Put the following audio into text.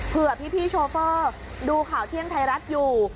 เพื่อพี่โชเฟอร์ดูข่าวเที่ยงไทยรัฐอยู่